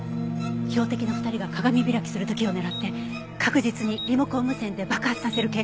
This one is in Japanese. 標的の２人が鏡開きする時を狙って確実にリモコン無線で爆発させる計画。